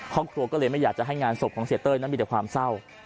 ครอบครัวก็เลยไม่อยากจะให้งานศพของเสียเต้ยนั้นมีแต่ความเศร้า